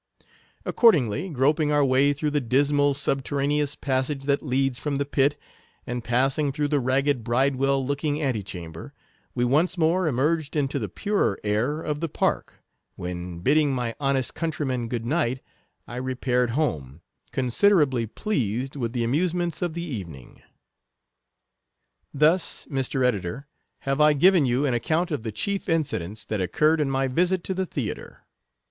Accordingly, groping our way through the dismal subterraneous passage that leads from the pit, and passing through the ragged bridewell looking antechamber, we once more emerged into the purer air of the park, when bidding my houest countryman good night, I repaired home, considerably pleased with the amusements of the evening. Thus, Mr. Editor, have I given you an account of the chief incidents that occurred in my visit to the Theatre.